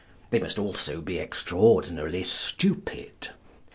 They must also be extraordinarily stupid.